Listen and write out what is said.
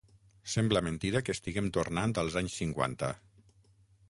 Sembla mentida que estiguem tornant als anys cinquanta.